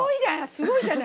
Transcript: すごいじゃない！